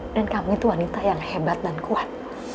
dan kamu itu wanita yang hebat dan kuat